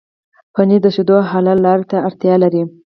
پنېر د شيدو حلالې لارې ته اړتيا لري.